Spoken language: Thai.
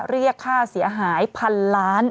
เรียกค่าเสียหายพันล้าน